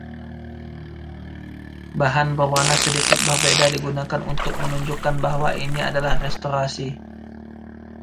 Bahan berwarna sedikit berbeda digunakan untuk menunjukkan bahwa ini adalah restorasi.